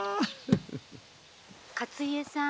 「勝家さん